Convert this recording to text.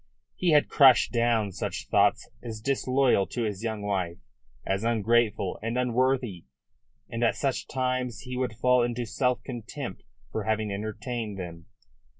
He had crushed down such thoughts as disloyal to his young wife, as ungrateful and unworthy; and at such times he would fall into self contempt for having entertained them.